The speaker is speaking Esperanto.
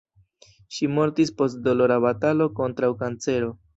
Ŝi mortis post dolora batalo kontraŭ kancero.